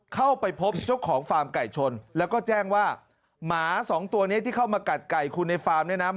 เข้าไปพบเจ้าของฟาร์มไก่ชนแล้วก็แจ้งว่าหมาสองตัวนี้ที่เข้ามากัดไก่คุณในฟาร์มเนี่ยนะ